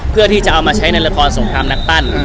เพื่อที่จะเอามาใช้ในละครสงครามนักปั้น